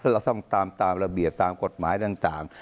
เราต้องตามตามระเบียบตามกฎหมายต่าง